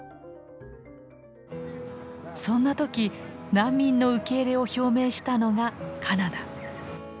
そんな時難民の受け入れを表明したのがカナダ。